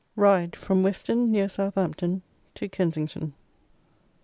RIDE: FROM WESTON, NEAR SOUTHAMPTON, TO KENSINGTON.